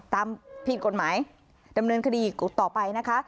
ผิดกฎหมายดำเนินคดีต่อไปนะคะ